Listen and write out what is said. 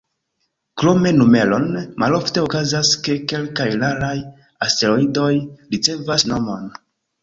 Krom numeron, malofte okazas, ke kelkaj raraj asteroidoj ricevas nomon.